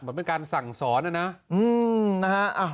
เหมือนเป็นการสั่งสอนนะนะ